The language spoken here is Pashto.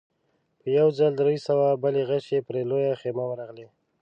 په يوه ځل درې سوه بلې غشې پر لويه خيمه ورغلې.